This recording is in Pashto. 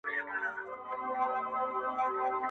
زه وېرېږم خپل قسمت به مي رقیب سي!.